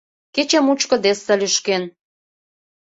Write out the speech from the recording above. Кече мучко десса лӱшкен.